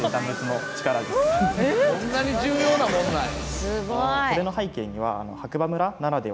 そんなに重要なもんなんや。